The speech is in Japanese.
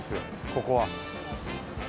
ここは。